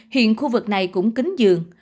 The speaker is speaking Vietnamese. hiện khu vực này cũng kín giường